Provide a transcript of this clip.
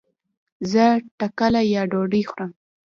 زه ټکله يا ډوډي خورم